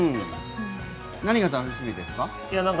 何が楽しみですか？